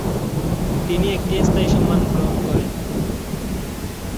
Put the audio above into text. তিনি একটি স্থায়ী সম্মান গ্রহণ করেন।